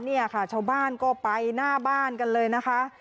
เนี่ยค่ะชาวบ้านก็ไปหน้าบ้านกันเลยนะคะ